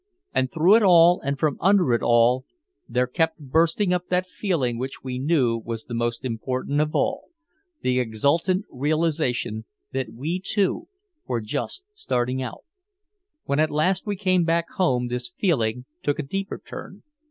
And through it all and from under it all there kept bursting up that feeling which we knew was the most important of all, the exultant realization that we two were just starting out. When at last we came back home this feeling took a deeper turn.